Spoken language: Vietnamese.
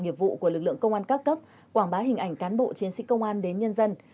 nghiệp vụ của lực lượng công an các cấp quảng bá hình ảnh cán bộ chiến sĩ công an đến nhân dân